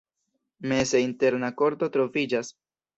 Meze interna korto troviĝas.